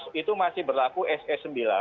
itu masih berlaku se sembilan